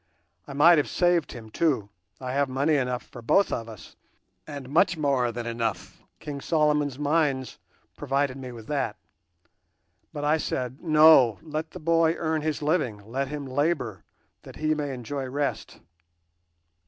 I might have saved him, too—I have money enough for both of us, and much more than enough—King Solomon's Mines provided me with that; but I said, 'No, let the boy earn his living, let him labour that he may enjoy rest.